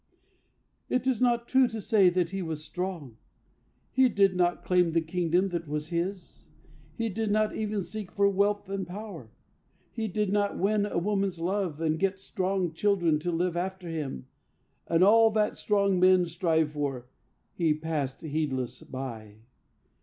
"It is not true to say that he was strong. He did not claim the kingdom that was his, He did not even seek for wealth and power, He did not win a woman's love and get Strong children to live after him, and all That strong men strive for he passed heedless by.